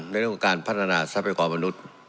ในเรื่องของการพัฒนาทรัพยากรมนุษย์